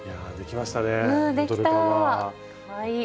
かわいい。